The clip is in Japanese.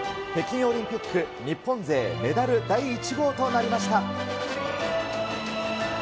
北京オリンピック、日本勢メダル第１号となりました。